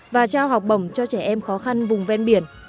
và trao học bổng cho trẻ em khó khăn vùng ven biển